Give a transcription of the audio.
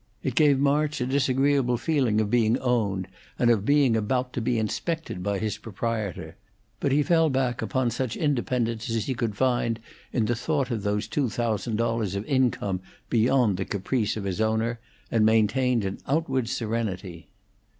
It gave March a disagreeable feeling of being owned and of being about to be inspected by his proprietor; but he fell back upon such independence as he could find in the thought of those two thousand dollars of income beyond the caprice of his owner, and maintained an outward serenity.